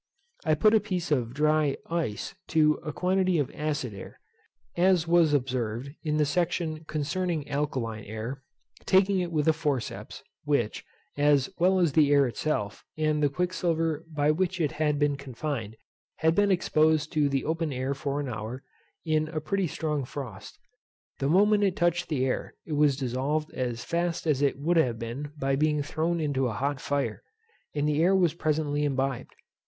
I put a piece of dry ice to a quantity of acid air (as was observed in the section concerning alkaline air) taking it with a forceps, which, as well as the air itself, and the quicksilver by which it had been confined; had been exposed to the open air for an hour, in a pretty strong frost. The moment it touched the air it was dissolved as fast as it would have been by being thrown into a hot fire, and the air was presently imbibed.